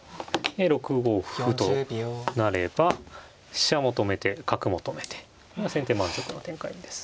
６五歩となれば飛車も止めて角も止めてこれは先手満足の展開です。